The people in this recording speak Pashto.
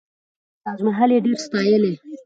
تاج محل یې ډېر ستایلی.